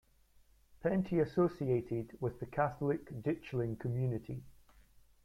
Penty associated with the Catholic Ditchling Community.